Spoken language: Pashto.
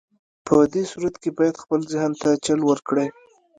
په دې صورت کې بايد خپل ذهن ته چل ورکړئ.